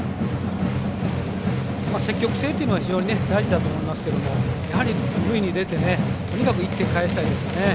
積極性というのは非常に大事だと思いますけどやはり塁に出てとにかく１点を返したいですね。